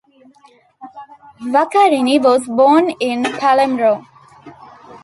Vaccarini was born in Palermo.